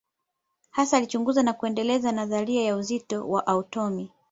Hasa alichunguza na kuendeleza nadharia ya uzito wa atomu.